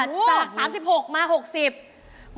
จาก๓๖มา๖๐บาท